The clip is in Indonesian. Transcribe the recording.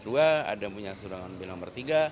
ada yang punya kecenderungan milik nomor tiga